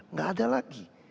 tidak ada lagi